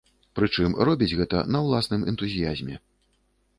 Прычым, робіць гэта на ўласным энтузіязме.